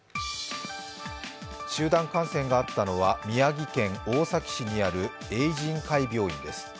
集団感染があったのは宮城県大崎市にある永仁会病院です。